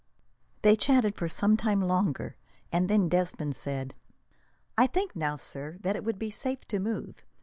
They chatted for some time longer, and then Desmond said: "I think now, sir, that it would be safe to move.